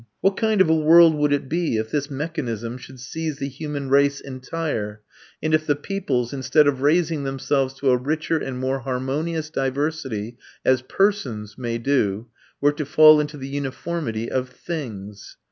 What kind of a world would it be if this mechanism should seize the human race entire, and if the peoples, instead of raising themselves to a richer and more harmonious diversity, as persons may do, were to fall into the uniformity of things?